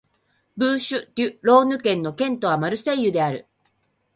ブーシュ＝デュ＝ローヌ県の県都はマルセイユである